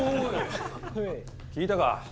聞いたか？